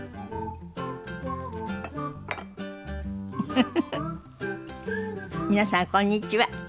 フフフフ皆さんこんにちは。